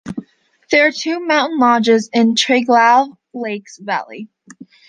There are two mountain lodges in the Triglav Lakes Valley.